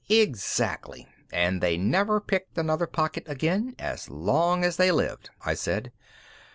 "Exactly. And they never picked another pocket again as long as they lived." I said.